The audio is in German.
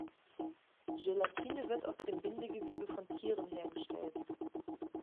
Gelatine wird aus dem Bindegewebe von Tieren hergestellt.